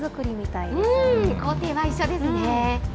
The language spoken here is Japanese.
工程は一緒ですね。